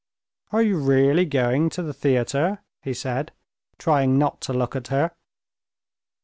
"Are you really going to the theater?" he said, trying not to look at her.